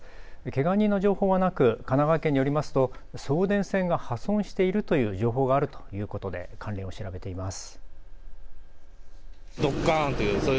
けが人の情報はなく神奈川県によりますと送電線が破損しているという情報があるということで関連を調べています。